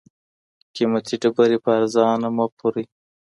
قیمتي ډبرې په ارزانه مه پلورئ.